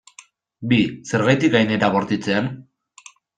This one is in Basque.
Bi, zergatik hain era bortitzean?